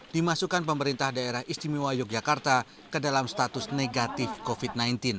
dimasukkan pemerintah daerah istimewa yogyakarta ke dalam status negatif covid sembilan belas